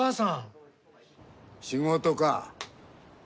仕事か？